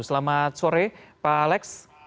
selamat sore pak alex